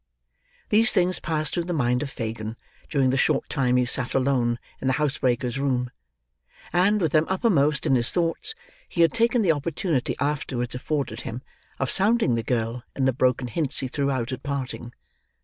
These things passed through the mind of Fagin, during the short time he sat alone, in the housebreaker's room; and with them uppermost in his thoughts, he had taken the opportunity afterwards afforded him, of sounding the girl in the broken hints he threw out at parting.